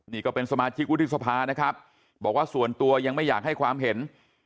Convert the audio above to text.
นี่ก็เป็นสมาชิกวุฒิสภานะครับบอกว่าส่วนตัวยังไม่อยากให้ความเห็น